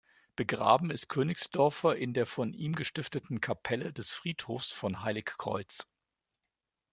Begraben ist Königsdorfer in der von ihm gestifteten Kapelle des Friedhofs von Heilig Kreuz.